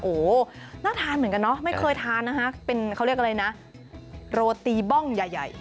โอ้โหน่าทานเหมือนกันเนอะไม่เคยทานนะฮะเป็นเขาเรียกอะไรนะโรตีบ้องใหญ่ใหญ่